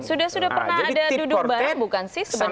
sudah sudah pernah ada duduk bareng bukan sih sebenarnya